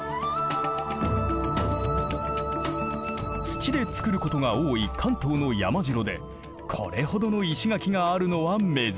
土で造ることが多い関東の山城でこれほどの石垣があるのは珍しい。